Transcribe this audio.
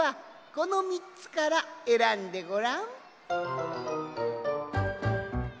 このみっつからえらんでごらん。